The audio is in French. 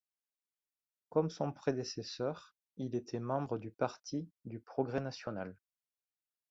Comme son prédécesseur, il est membre du Parti du progrès national.